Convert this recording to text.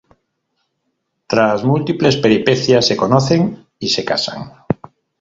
Tras múltiples peripecias, se conocen y se casan.